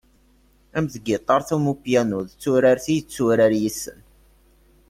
Am tgiṭart am upyanu, d turart i yetturar yes-sen.